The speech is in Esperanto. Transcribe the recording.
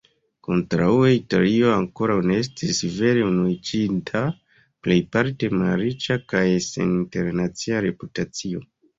Kontraŭe Italio ankoraŭ ne estis vere unuiĝinta, plejparte malriĉa kaj sen internacia reputacio.